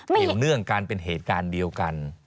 เกี่ยวเนื่องกันเป็นเหตุการณ์เดียวกัน